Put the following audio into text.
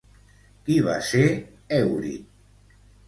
Qui va ser Èurit?